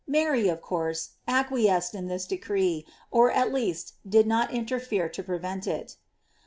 Mary, of caorae, acquiesced in tliis decree, or at least tlul not interfere to prevent it.